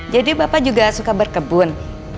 jadi bapak juga suka berkebun